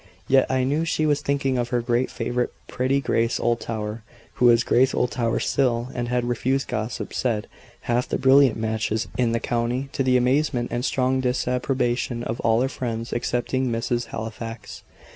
Yet I knew she was thinking of her great favourite, pretty Grace Oldtower; who was Grace Oldtower still, and had refused, gossip said, half the brilliant matches in the county, to the amazement and strong disapprobation of all her friends excepting Mrs. Halifax.